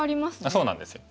そうなんですよ。